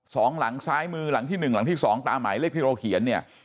สองหลังซ้ายมือหลังที่หนึ่งหลังที่สองตามหมายเลขที่เราเขียนเนี่ย